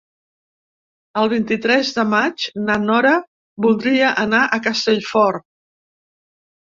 El vint-i-tres de maig na Nora voldria anar a Castellfort.